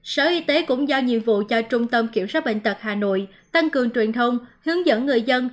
sở y tế cũng giao nhiệm vụ cho trung tâm kiểm soát bệnh tật hà nội tăng cường truyền thông hướng dẫn người dân